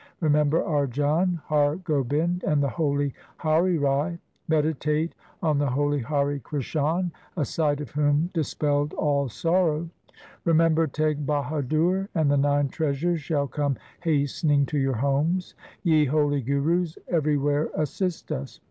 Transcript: Remember Arjan, Har Gobind, and the holy Hari Rai ; Meditate on the holy Hari Krishan, a sight of whom dispelled all sorrow. Remember Teg Bahadur, and the nine treasures shall come hastening to your homes. Ye holy Gurus, everywhere assist us.